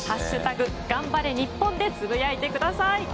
「＃がんばれ日本」でつぶやいてください。